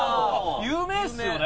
有名ですよね。